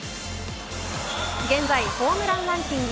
現在ホームランランキング